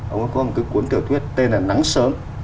ông đã có một cái cuốn tiểu thuyết tên là nắng sớm